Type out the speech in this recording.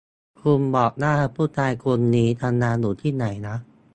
คุณบอกว่า ผู้ชายคนนี้ทำงานอยู่ที่ไหนนะ